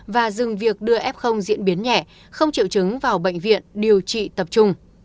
và dừng việc đưa f diễn biến nhẹ không triệu chứng vào bệnh viện điều trị tập trung